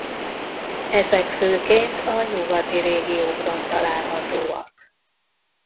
Ezek főként a nyugati régiókban találhatóak.